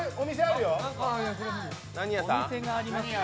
お店がありますね。